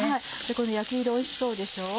この焼き色おいしそうでしょう？